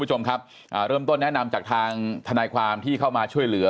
คุณผู้ชมครับเริ่มต้นแนะนำจากทางทนายความที่เข้ามาช่วยเหลือ